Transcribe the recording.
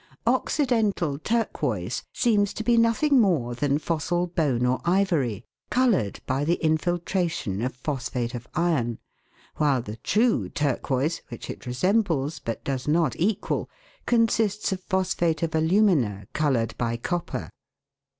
Occidental turquoise seems to be nothing more than fossil bone or ivory, coloured by the infiltration of phosphate of iron, while the true turquoise, which it resembles, but does not equal, consists of phosphate of alumina coloured by copper.